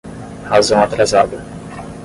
Razão atrasada